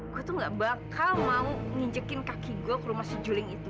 gue tuh nggak bakal mau nginjekin kaki gue ke rumah si juling itu